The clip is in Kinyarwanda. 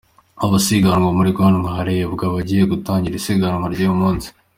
Abasiganwa bari guhamagarwa harebwa abagiye gutangira isiganwa ry’uyu munsi.